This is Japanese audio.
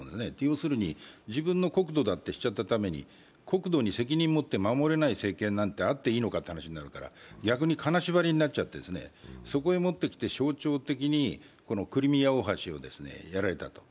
要するに自分の国土だってしちゃったために国土に責任持って守れない政権なんてあっていいのかという話になるから逆に金縛りになっちゃって、そこへもってきて象徴的にクリミア大橋をやられたと。